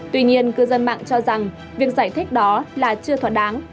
tuy nhiên cư dân mạng cho rằng việc giải thích đó là chưa thỏa đáng